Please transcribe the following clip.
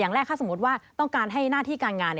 อย่างแรกสมมติว่าต้องการให้หน้าที่การงาน